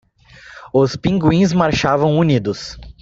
Os pinguins marchavam unidos